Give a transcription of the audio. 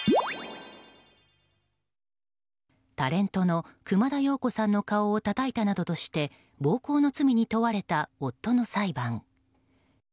タレントの熊田曜子さんの顔をたたいたなどとして暴行の罪に問われた夫の裁判。